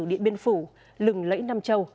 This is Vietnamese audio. địa biên phủ lừng lẫy nam châu